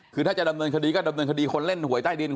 คือถ้าจะดำเนินคดีก็ดำเนินคดีคนเล่นหวยใต้ดิน